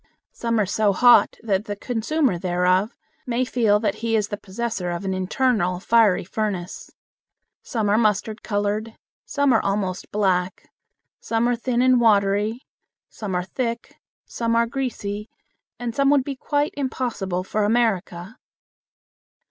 Some are so hot that the consumer thereof may feel that he is the possessor of an internal fiery furnace. Some are mustard colored, some are almost black, some are thin and watery, some are thick, some are greasy, and some would be quite impossible for America.